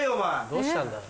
どうしたんだ？